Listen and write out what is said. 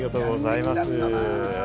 ありがとうございます。